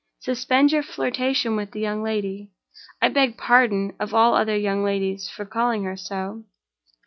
Suspend your flirtation with the young lady (I beg pardon of all other young ladies for calling her so!)